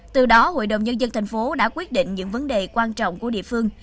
từ đó hội đồng nhân dân thành phố đã quyết định những vấn đề quan trọng của địa phương